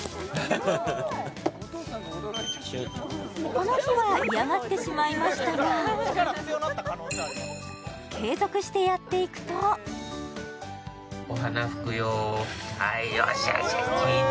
この日は嫌がってしまいましたが継続してやっていくとはいよしよしチーン